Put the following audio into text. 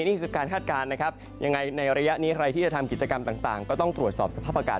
นี่คือการคาดการณ์นะครับยังไงในระยะนี้ใครที่จะทำกิจกรรมต่างก็ต้องตรวจสอบสภาพอากาศ